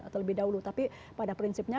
terlebih dahulu tapi pada prinsipnya